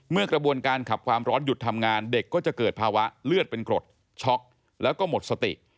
กระบวนการขับความร้อนหยุดทำงานเด็กก็จะเกิดภาวะเลือดเป็นกรดช็อกแล้วก็หมดสติ